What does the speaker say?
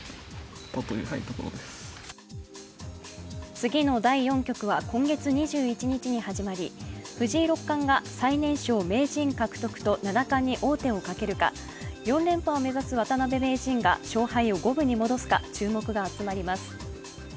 次の第４局は今月２１日に開始し、藤井六冠が最年少名人獲得と七冠に王手をかけるか４連覇を目指す渡辺名人が勝敗を五分に戻すか注目が集まります。